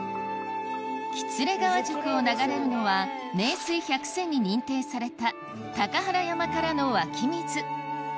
喜連川宿を流れるのは名水百選に認定された高原山からの湧き水